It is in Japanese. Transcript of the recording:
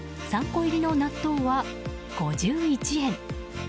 ３個入りの納豆は５１円。